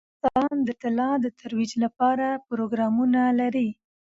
افغانستان د طلا د ترویج لپاره پروګرامونه لري.